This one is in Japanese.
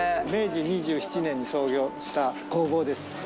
明治２７年に創業した工房です。